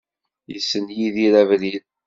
Yessen Yidir abrid?